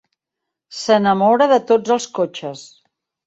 S'enamora de tots els cotxes.